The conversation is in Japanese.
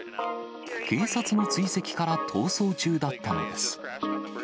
警察の追跡から逃走中だったのです。